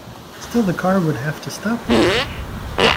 Still the car would have to stop there.